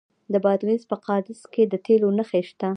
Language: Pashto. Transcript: د بادغیس په قادس کې د تیلو نښې شته.